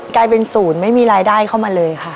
กลายเป็นศูนย์ไม่มีรายได้เข้ามาเลยค่ะ